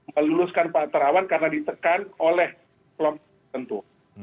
meluluskan pak terawan karena ditekan oleh kelompok tertentu